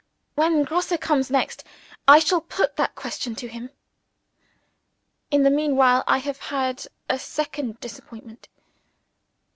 When Grosse comes next, I shall put that question to him. In the meanwhile, I have had a second disappointment.